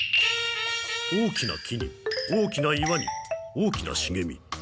大きな木に大きな岩に大きなしげみ。